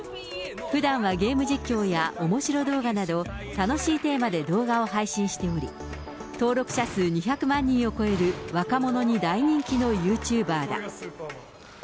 ふだんはゲーム実況やおもしろ動画など、楽しいテーマで動画を配信しており、登録者数２００万人を超える、若者に大人気のユーチューバーだ。